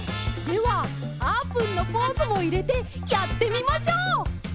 ではあーぷんのポーズもいれてやってみましょう！